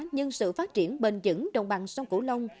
nhưng sự phát triển bền dững đồng bằng sông cửu long